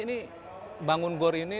ini bangun gor ini